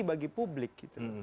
lagi bagi publik gitu